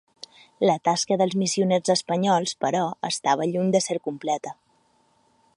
La tasca dels missioners espanyols, però, estava lluny de ser completa.